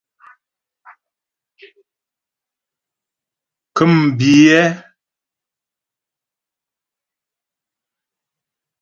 Ŋkə̂mbiyɛ́.